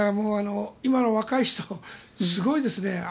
今の若い人はすごいですね。